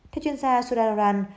theo chuyên gia sudararan